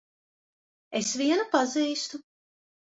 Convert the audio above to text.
Es vienu pazīstu.